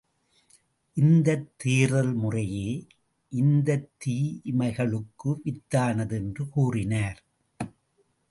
இந்தத் தேர்தல் முறையே இந்தத் தீமைகளுக்கு வித்தானது என்று கூறினார்.